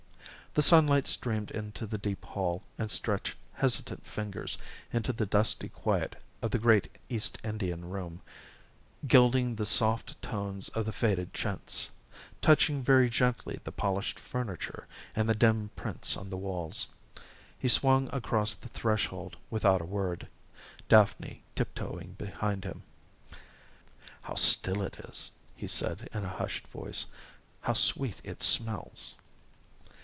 The sunlight streamed into the deep hall and stretched hesitant fingers into the dusty quiet of the great East Indian room, gilding the soft tones of the faded chintz, touching very gently the polished furniture and the dim prints on the walls. He swung across the threshold without a word, Daphne tiptoeing behind him. "How still it is," he said in a hushed voice. "How sweet it smells!"